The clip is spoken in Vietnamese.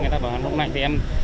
người ta bảo hàng đông lạnh thì em